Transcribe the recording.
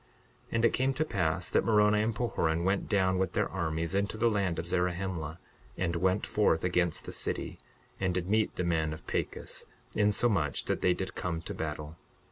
62:7 And it came to pass that Moroni and Pahoran went down with their armies into the land of Zarahemla, and went forth against the city, and did meet the men of Pachus, insomuch that they did come to battle.